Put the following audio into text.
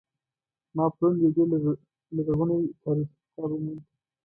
ما پرون یو ډیر لرغنۍتاریخي کتاب وموند